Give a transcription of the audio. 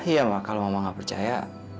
iya ma kalau mama gak percaya